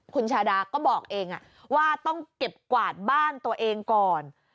คุณชาดาก็บอกเองว่าต้องเก็บกวาดบ้านตัวเองก่อน